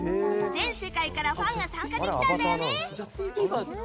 全世界からファンが参加できたんだよね！